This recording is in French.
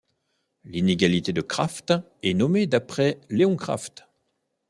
L'inégalité de Kraft est nommée d'après Leon Kraft.